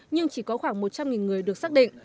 nhưng chỉ có khoảng một trăm linh người được xác định